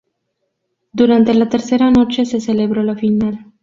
Durante la tercera noche se celebró la final.